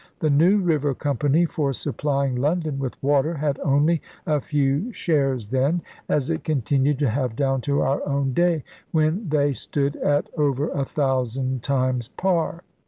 The New River Company, for supplying London with water, had only a few shares then, as it con tinued to have down to our own day, when they 62 ELIZABETHAN SEA DOGS stood at over a thousand times par.